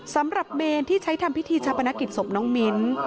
สำหรับเมนที่ใช้ทำพิธีชาปนกิจศพน้องมิ้น